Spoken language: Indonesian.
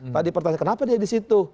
tadi pertanyaan kenapa dia di situ